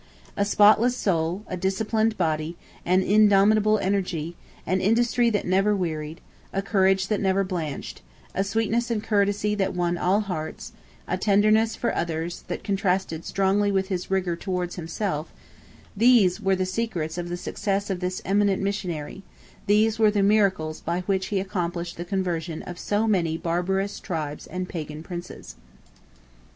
A spotless soul, a disciplined body, an indomitable energy, an industry that never wearied, a courage that never blanched, a sweetness and courtesy that won all hearts, a tenderness for others that contrasted strongly with his rigour towards himself—these were the secrets of the success of this eminent missionary—these were the miracles by which he accomplished the conversion of so many barbarous tribes and Pagan Princes.